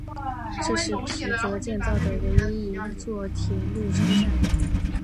这是皮泽建造的唯一一座铁路车站。